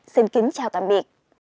xin kính chào tạm biệt